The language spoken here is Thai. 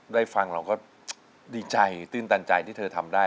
ได้ฟังเราก็ดีใจตื้นตันใจที่เธอทำได้